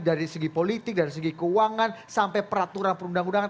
dari segi politik dari segi keuangan sampai peraturan perundang undangan